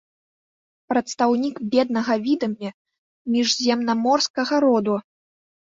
Прадстаўнік беднага відамі міжземнаморскага роду.